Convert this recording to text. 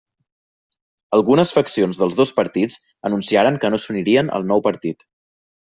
Algunes faccions dels dos partits anunciaren que no s'unirien al nou partit.